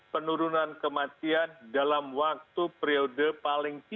penurunan kematian dalam waktu periode paling tinggi